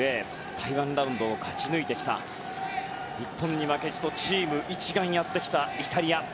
台湾ラウンドを勝ち抜いてきた日本に負けじとチーム一丸でやってきたイタリア。